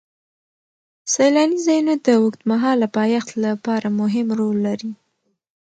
سیلاني ځایونه د اوږدمهاله پایښت لپاره مهم رول لري.